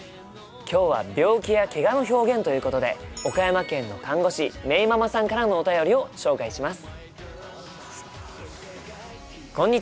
今日は病気やけがの表現ということで岡山県の看護師めいママさんからのお便りを紹介します。